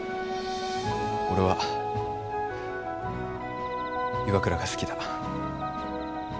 俺は岩倉が好きだ。